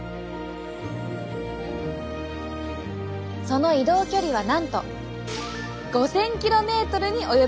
その移動距離はなんと５，０００ｋｍに及ぶことも！